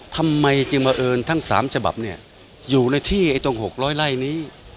ทำไมจึงมาเอิญทั้งสามฉบับเนี่ยอยู่ในที่ไอ้ตรงหกร้อยไร่นี้